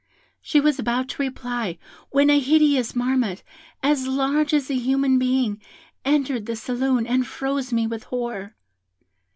She was about to reply, when a hideous marmot, as large as a human being, entered the saloon, and froze me with horror.